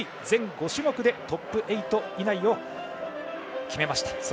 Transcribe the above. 全５種目でトップ８以内を決めました。